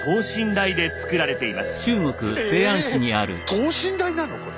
等身大なの⁉これ。